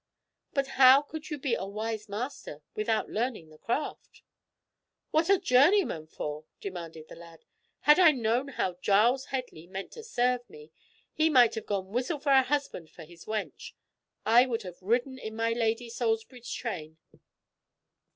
"But how could you be a wise master without learning the craft?" "What are journeymen for?" demanded the lad. "Had I known how Giles Headley meant to serve me, he might have gone whistle for a husband for his wench. I would have ridden in my Lady of Salisbury's train."